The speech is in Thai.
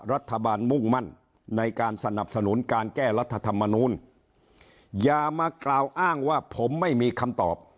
มุ่งมั่นในการสนับสนุนการแก้รัฐธรรมนูลอย่ามากล่าวอ้างว่าผมไม่มีคำตอบ